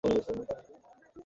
আমার ভবিষ্যত হলি তোরা।